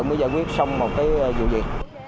mới giải quyết xong một cái vụ gì